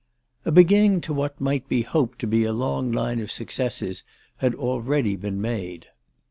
A beginning to what might be hoped to be a long line of successes had already been made.